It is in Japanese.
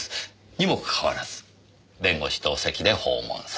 にもかかわらず弁護士同席で訪問された。